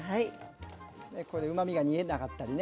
これでうまみが逃げなかったりね